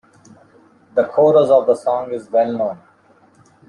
The chorus of the song is well known.